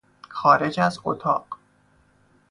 خارج از اتاق